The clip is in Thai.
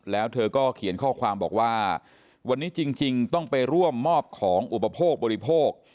แล้วเธอก็เขียนข้อความบอกว่าวันนี้จริงต้องไปร่วมมอบของอุปโภคบริโภค